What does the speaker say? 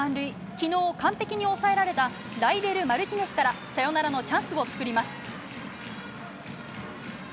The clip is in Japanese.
昨日、完璧に抑えられたライデル・マルティネスからサヨナラのチャンスを作ります。